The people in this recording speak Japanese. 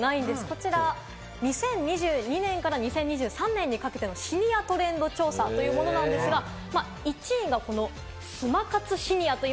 こちらは２０２２年から２０２３年にかけてのシニアトレンドというものなんですけれども、１位はスマ活シニア。